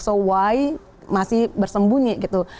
so why masih bersembunyi gitu